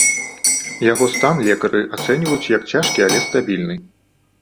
Яго стан лекары ацэньваюць як цяжкі, але стабільны.